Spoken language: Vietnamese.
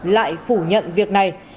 lại phủ nhận việc này